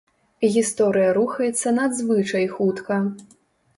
Гісторыя рухаецца надзвычай хутка.